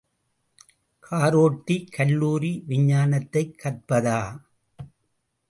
காரோட்டி கல்லூரி விஞ்ஞானத்தைக் கற்பதா?